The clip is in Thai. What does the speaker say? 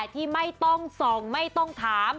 ที่ไม่ต้องส่องไม่ต้องถาม